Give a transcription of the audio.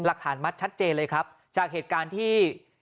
หลักฐานมัดชัดเจนเลยครับจากเหตุการณ์ที่